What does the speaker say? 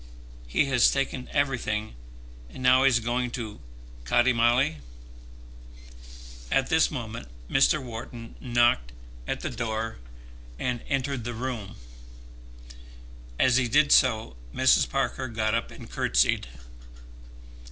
He has taken everything, and now he's going to Kattymaly!" At this moment Mr. Wharton knocked at the door and entered the room. As he did so Mrs. Parker got up and curtseyed.